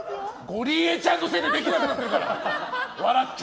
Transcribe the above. ゴリエちゃんのせいでできなくなってるから！